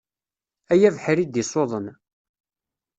Ay abeḥri i d-isuḍen